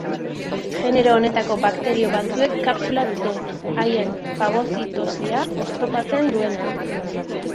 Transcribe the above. Genero honetako bakterio batzuek kapsula dute, haien fagozitosia oztopatzen duena.